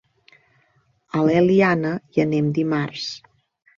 A l'Eliana hi anem dimarts.